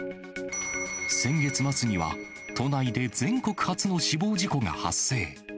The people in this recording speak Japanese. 先月末には都内で全国初の死亡事故が発生。